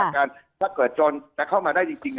ถ้าเกิดจนจะเข้ามาได้จริง